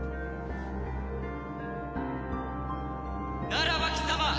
ならば貴様